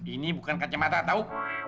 ini bukan kacamata tau